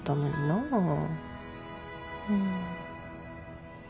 うん。